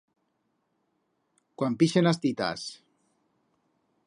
Cuan pixen as titas!